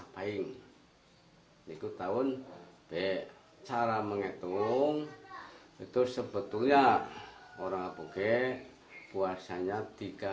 puasanya tiga puluh hari